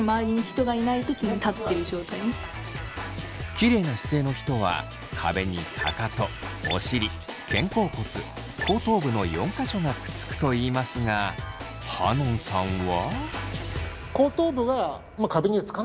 きれいな姿勢の人は壁にかかとお尻肩甲骨後頭部の４か所がくっつくといいますがはのんさんは。